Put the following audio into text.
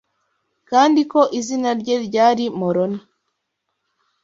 kandi ko izina rye ryari Moroni